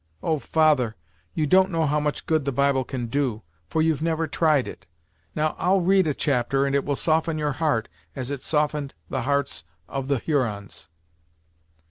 Oh! father, you don't know how much good the Bible can do, for you've never tried it. Now, I'll read a chapter and it will soften your heart as it softened the hearts of the Hurons."